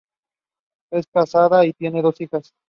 Es casada y tiene dos hijas.